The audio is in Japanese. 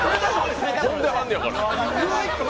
飛んではるんやから。